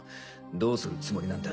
どうするつもりなんだ？